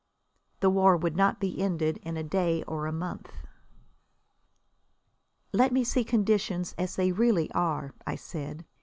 The war would not be ended in a day or a month. "Let me see conditions as they really are," I said.